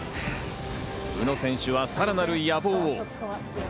宇野選手はさらなる野望を。